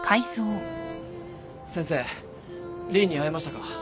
先生凜に会えましたか？